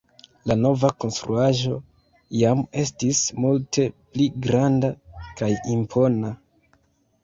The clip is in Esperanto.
La nova konstruaĵo jam estis multe pli granda kaj impona.